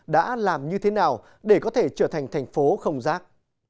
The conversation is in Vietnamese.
đã làm như thế nào để có thể trở thành thành phố không rác